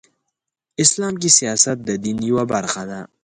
اسلام کې سیاست د دین یوه برخه ده .